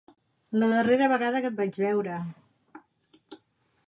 La darrera vegada que et vaig veure.